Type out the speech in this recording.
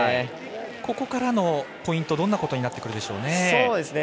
ここからのポイントどんなことになってくるでしょう。